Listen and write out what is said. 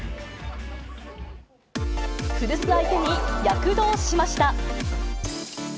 古巣相手に躍動しました。